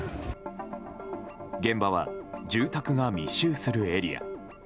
現場は住宅が密集するエリア。